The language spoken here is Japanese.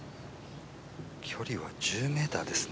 距離は１０ｍですね。